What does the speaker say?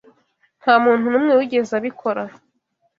Nta muntu n'umwe wigeze abikora.